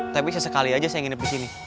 tapi sesekali aja saya nginep disini